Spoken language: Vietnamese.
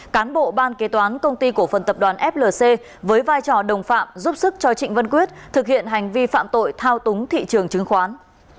cán bộ ban kế toán công ty cổ phần tập đoàn flc với vai trò đồng phạm giúp sức cho trịnh văn quyết thực hiện hành vi phạm tội thao túng thị trường chứng khoán